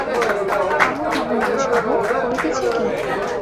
থামুন, থামুন রমেশবাবু, করিতেছেন কী?